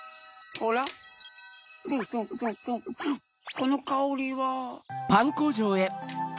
このかおりは？